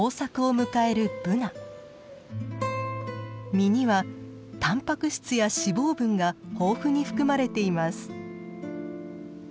実にはたんぱく質や脂肪分が豊富に含まれています。